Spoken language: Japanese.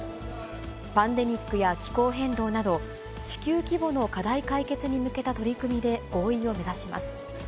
パンデミックや気候変動など、地球規模の課題解決に向けた取り組みで合意を目指します。